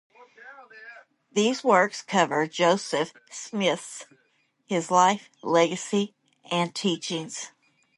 These works cover Joseph Smith's his life, legacy, and teachings.